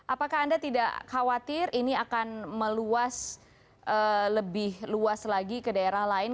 apakah anda tidak khawatir ini akan meluas lebih luas lagi ke daerah lain